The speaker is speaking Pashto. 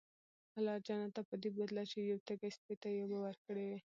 الله جنت ته پدې بوتله چې يو تږي سپي ته ئي اوبه ورکړي وي